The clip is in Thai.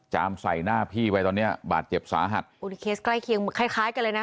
ใส่หน้าพี่ไปตอนเนี้ยบาดเจ็บสาหัสโอ้นี่เคสใกล้เคียงคล้ายคล้ายกันเลยนะ